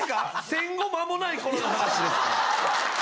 戦後まもない頃の話ですか？